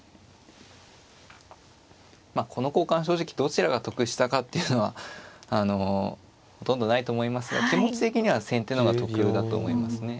まあこの交換正直どちらが得したかっていうのはあのほとんどないと思いますが気持ち的には先手の方が得だと思いますね。